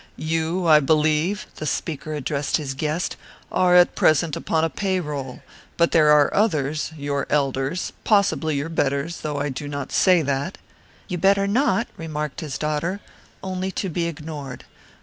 "You, I believe " The speaker addressed his guest "are at present upon a pay roll; but there are others, your elders possibly your betters, though I do not say that " "You better not," remarked his daughter, only to be ignored.